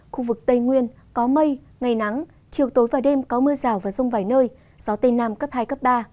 khu vực tây nguyên có mây ngày nắng chiều tối và đêm có mưa rào và rông vài nơi gió tây nam cấp hai cấp ba